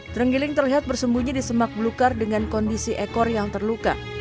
terenggiling terlihat bersembunyi di semak belukar dengan kondisi ekor yang terluka